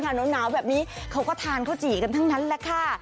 หนาวแบบนี้เขาก็ทานข้าวจี่กันทั้งนั้นแหละค่ะ